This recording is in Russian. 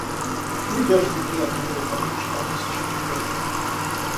Ей даже неприятно было думать, что Анна сейчас придет к ней.